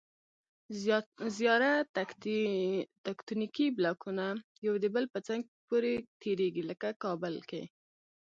زیاره تکتونیکي بلاکونه یو د بل په څنګ پورې تېریږي. لکه کابل کې